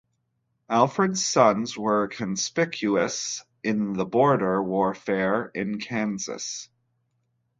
Alfred's sons were conspicuous in the border warfare in Kansas.